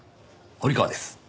堀川です。